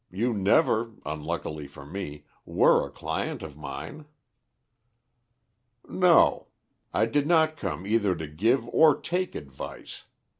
You never, unluckily for me, were a client of mine." "No. I did not come either to give or take advice.